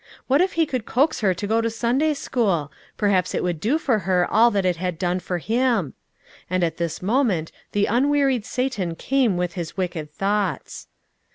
What if he could coax her to go to Sunday school; perhaps it would do for her all that it had done for him. And at this moment the unwearied Satan came with his wicked thoughts.